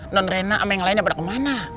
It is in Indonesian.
nonrena sama yang lainnya pada kemana